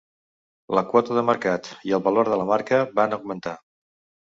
La quota de mercat i el valor de la marca van augmentar.